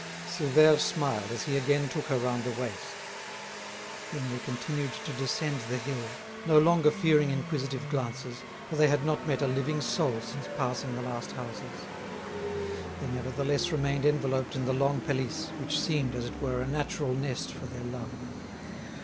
Silvère smiled as he again took her round the waist. Then they continued to descend the hill, no longer fearing inquisitive glances, for they had not met a living soul since passing the last houses. They nevertheless remained enveloped in the long pelisse, which seemed, as it were, a natural nest for their love.